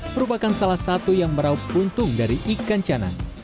merupakan salah satu yang merauh untung dari ikan chana